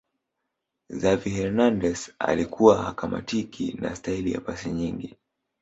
xavi hernandez alikuwa hakamatiki na staili ya pasi nyingi